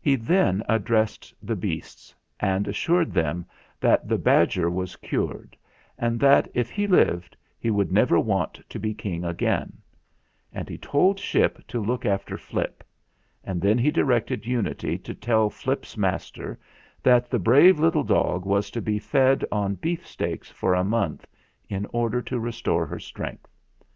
He then addressed the beasts, and assured them that the badger was cured, and that if he lived, he would never want to be King again; and he told Ship to look after Flip ; and he di rected Unity to tell Flip's master that the brave little dog was to be fed on beefsteaks for a month, in order to restore her strength.